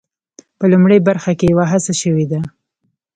په لومړۍ برخه کې یوه هڅه شوې ده.